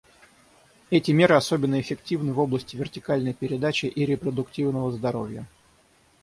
Эти меры особенно эффективны в области вертикальной передачи и репродуктивного здоровья.